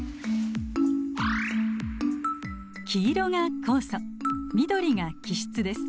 黄色が酵素緑が基質です。